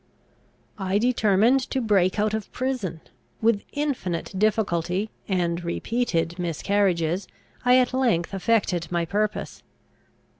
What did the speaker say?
"I determined to break out of prison. With infinite difficulty, and repeated miscarriages, I at length effected my purpose.